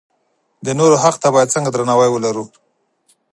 د نورو حق ته باید څنګه درناوی ولرو.